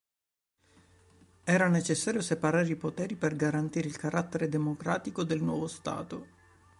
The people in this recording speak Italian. Era necessario separare i poteri per garantire il carattere democratico del nuovo Stato.